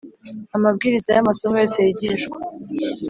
Amabwiriza y amasomo yose yigishwa